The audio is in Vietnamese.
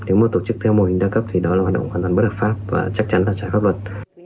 nếu mà tổ chức theo mô hình đa cấp thì đó là hoạt động hoàn toàn bất hợp pháp và chắc chắn là trái pháp luật